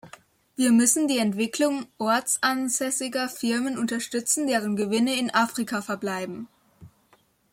Wir müssen die Entwicklung ortsansässiger Firmen unterstützen, deren Gewinne in Afrika verbleiben.